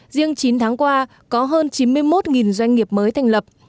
riêng chín tháng qua có hơn chín mươi một doanh nghiệp mới thành lập